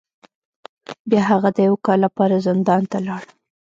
بیا هغه د یو کال لپاره زندان ته لاړ.